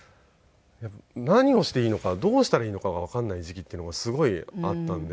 何をしていいのかどうしたらいいのかがわかんない時期っていうのがすごいあったんで。